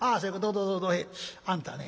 どうぞどうぞ。あんたね